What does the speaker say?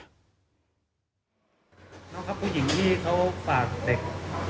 น้องครับผู้หญิงที่เขาฝากเด็ก